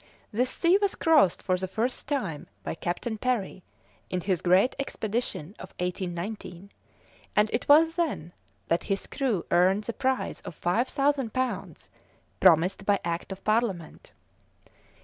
This sea was crossed for the first time by Captain Parry in his great expedition of 1819, and it was then that his crew earned the prize of 5,000 pounds promised by Act of Parliament.